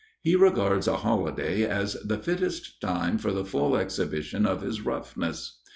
He regards a holiday as the fittest time for the full exhibition of his roughness.